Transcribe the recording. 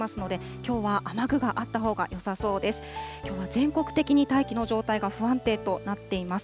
きょうは全国的に大気の状態が不安定となっています。